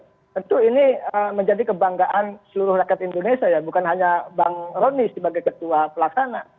tentu ini menjadi kebanggaan seluruh rakyat indonesia ya bukan hanya bang roni sebagai ketua pelaksana